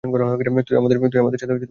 তুইও আমাদের সাথে মুম্বাই চল।